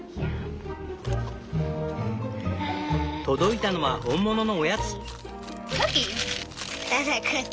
届いたのは本物のおやつ！